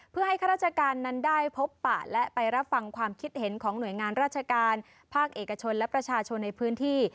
เพื่อให้ข้าราชการนั้นได้พบปะและไปรับฟังความคิดเห็นของหน่วยงานราชการภาคเอกชนและประชาชนในพื้นที่